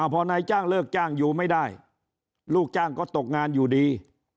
พอนายจ้างเลิกจ้างอยู่ไม่ได้ลูกจ้างก็ตกงานอยู่ดี